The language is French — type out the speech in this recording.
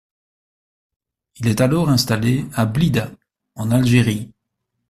Il est alors installé à Blida, en Algérie.